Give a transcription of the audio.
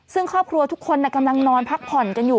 ซึ่งครอบครัวทุกคนกำลังนอนพักผ่อนกันอยู่